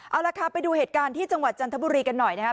เอาล่ะค่ะไปดูเหตุการณ์ที่จังหวัดจันทบุรีกันหน่อยนะครับ